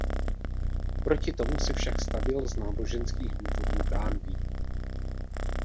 Proti tomu se však stavěl z náboženských důvodů Gándhí.